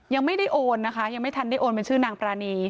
ยังไม่ได้โอนนะคะยังไม่ทันได้โอนเป็นชื่อนางปรานี